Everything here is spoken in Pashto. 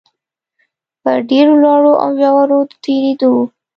په ډېرو لوړو او ژورو د تېرېدو